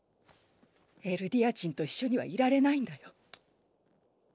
エルディア人と一緒にはいられないんだよ。